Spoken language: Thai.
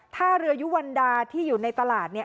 ท่าเรือยุวรรณดาที่อยู่ในตลาดเนี่ย